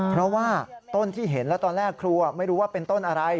เพราะว่าต้นที่เห็นแล้วตอนแรกครูไม่รู้ว่าเป็นต้นอะไร